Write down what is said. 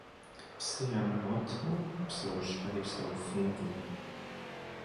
Псы ямыгъуэтмэ, псэущхьэхэри псэуфынукъым.